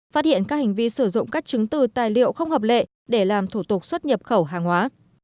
phát hiện các hành vi sử dụng các chứng từ tài liệu không hợp lệ để làm thủ tục xuất nhập khẩu hàng hóa